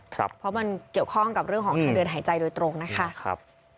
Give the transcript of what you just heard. เพราะมันเกี่ยวข้องกับเรื่องของทางเดินหายใจโดยตรงนะคะ